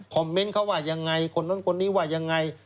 เมนต์เขาว่ายังไงคนนู้นคนนี้ว่ายังไง